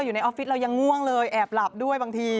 อยู่ในออฟฟิศเรายังง่วงเลยแอบหลับด้วยบางที